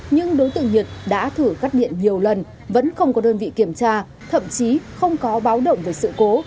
nhưng đối tượng hiện tại không có khả năng chi trả nên đối tượng hiện tại không có khả năng chi trả